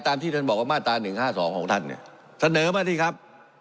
ที่ท่านบอกว่ามาตรา๑๕๒ของท่านเนี่ยเสนอมาสิครับ